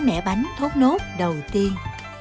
của những mẻ bánh thốt nốt đầu tiên